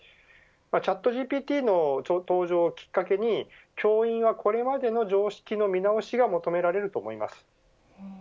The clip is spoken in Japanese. ＣｈａｔＧＰＴの登場をきっかけに教員はこれまでの常識の見直しが求められると思います。